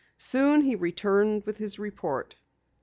Soon he returned with his report.